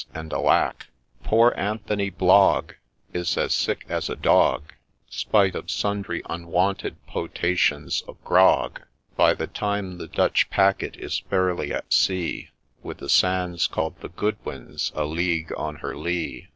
and Alack ! THE BAGMAN'S DOG 197 Poor Anthony Blogg Is as sick as a dog, Spite of sundry unwonted potations of grog, By the time the Dutch packet is fairly at sea, With the sands called the Goodwin's a league on her lee.